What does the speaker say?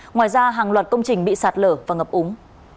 ngoài ra hàng loạt công trình bị sạt lở và ngập úng